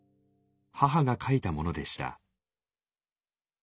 母が書いたものでした。